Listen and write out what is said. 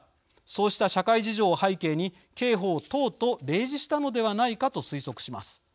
そうした社会事情を背景に刑法等と例示したのではないか」と推測します。